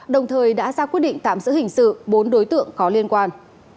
đồng thời đã ra quyết định tạm giữ hình sự bốn đối tượng có liên quan